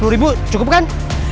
sepuluh ribu cukup kan